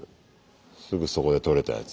すぐそこで取れたやつ。